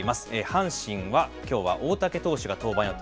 阪神はきょうは大竹投手が登板予定。